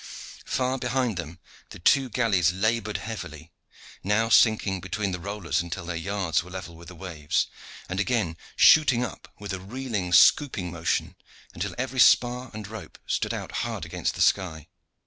Far behind them the two galleys labored heavily, now sinking between the rollers until their yards were level with the waves, and again shooting up with a reeling, scooping motion until every spar and rope stood out hard against the sky.